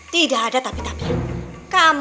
tidak ada apa apa